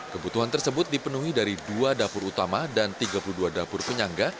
kebutuhan tersebut dipenuhi dari dua dapur utama dan tiga puluh dua dapur penyangga